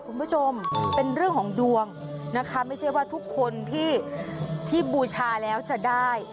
คุณผู้ชมเป็นเรื่องของดวงนะคะไม่ใช่ว่าทุกคนที่บูชาแล้วจะได้